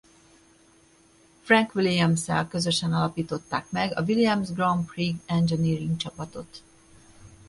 Frank Williamssel közösen alapították meg a Williams Grand Prix Engineering csapatot.